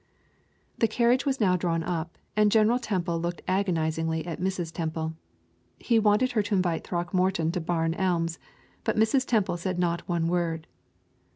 The carriage was now drawn up, and General Temple looked agonizingly at Mrs. Temple. He wanted her to invite Throckmorton to Barn Elms, but Mrs. Temple said not one word.